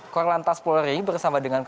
korlantas polri bersama dengan